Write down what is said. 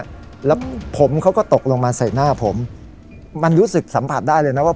แล้วผมเขาก็ตกลงมาใส่หน้าผมมันรู้สึกสัมผัสได้เลยนะว่า